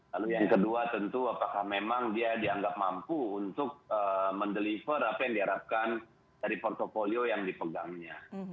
lalu yang kedua tentu apakah memang dia dianggap mampu untuk mendeliver apa yang diharapkan dari portfolio yang dipegangnya